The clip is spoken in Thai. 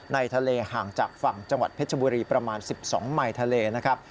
ในทะเลห่างจากฝั่งจังหวัดเพชรบุรีประมาณ๑๒ไมค์ทะเลนะครับ